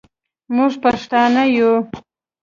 موږ پښتانه یو